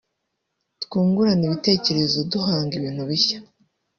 twungurana ibitekerezo duhanga ibintu bishya